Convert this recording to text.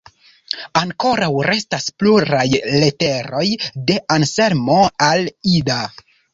Ankoraŭ restas pluraj leteroj de Anselmo al Ida.